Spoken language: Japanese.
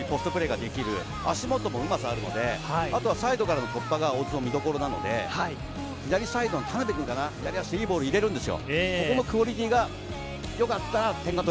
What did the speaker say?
空中戦は強いポストプレーができる、足元もうまさがあるので、サイドからの突破が大津の見どころなので、左サイドのボールを入れるんですよ。